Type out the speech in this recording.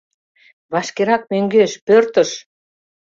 — Вашкерак мӧҥгеш — пӧртыш!